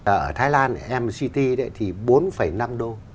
ở thái lan mct thì bốn năm đô